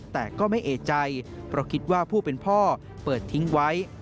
แต่ก็ไม่เอกใจเพราะคิดว่าผู้เป็นพ่อเปิดทิ้งไว้